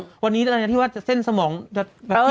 ว่าวันนี้ที่ว่าเส้นสมองจะแกรกมาก